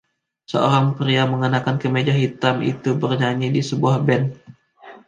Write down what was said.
Seorang pria mengenakan kemeja hitam itu bernyanyi di sebuah band.